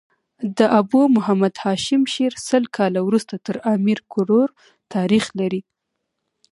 د ابو محمد هاشم شعر سل کاله وروسته تر امیر کروړ تاريخ لري.